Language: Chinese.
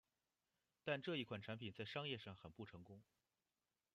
但这一款产品在商业上很不成功。